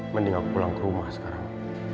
mending aku pulang ke rumah sekarang